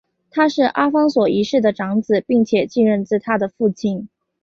他是阿方索一世的长子并且继任自他的父亲。